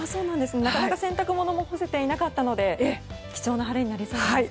なかなか洗濯物も干せていなかったので貴重な晴れになりそうですね。